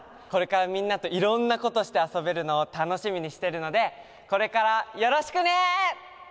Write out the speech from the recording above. これからみんなといろんなことしてあそべるのをたのしみにしてるのでこれからよろしくね！